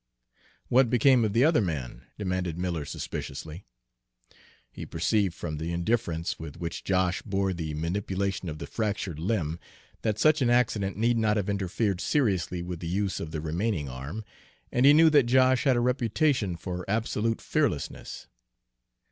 "What became of the other man?" demanded Miller suspiciously. He perceived, from the indifference with which Josh bore the manipulation of the fractured limb, that such an accident need not have interfered seriously with the use of the remaining arm, and he knew that Josh had a reputation for absolute fearlessness.